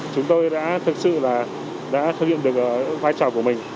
chúng tôi đã thực sự là đã thực hiện được vai trò của mình